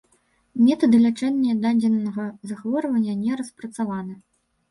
Метады лячэння дадзенага захворвання не распрацаваны.